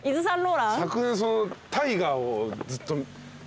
昨年大河をずっと。